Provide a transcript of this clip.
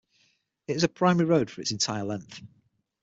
It is a primary road for its entire length.